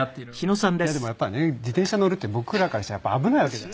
いやでもやっぱりね自転車乗るって僕らからしたら危ないわけじゃないですか。